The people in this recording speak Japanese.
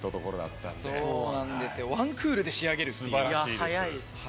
ワンクールで仕上げるっていう。